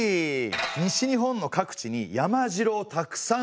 西日本の各地に山城をたくさんつくりました。